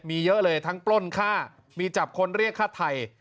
มีเยอะเลยทั้งปล้นค่ามีจับคนเรียกฆ่าไทย